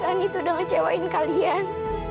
kan itu udah ngecewain kalian